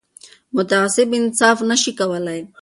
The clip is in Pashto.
متعصب انصاف نه شي کولای